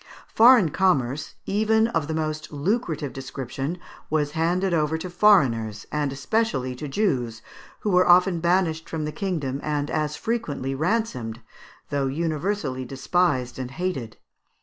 Foreign commerce, even of the most lucrative description, was handed over to foreigners, and especially to Jews, who were often banished from the kingdom and as frequently ransomed, though universally despised and hated.